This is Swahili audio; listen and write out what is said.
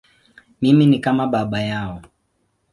Mimi ni kama baba yao.